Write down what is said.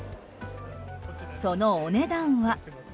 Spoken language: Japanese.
そのお値段は。